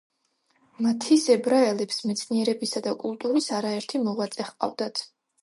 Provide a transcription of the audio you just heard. მთის ებრაელებს მეცნიერებისა და კულტურის არაერთი მოღვაწე ჰყავდათ.